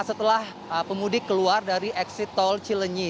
setelah pemudik keluar dari exit tol cilinyi